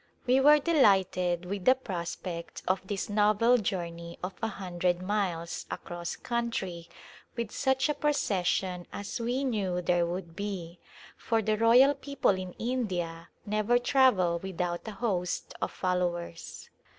We were delighted with the prospect of this novel journey of a hundred miles across country with such a procession as we knew there would be, for the royal people in India never travel without a host of followers.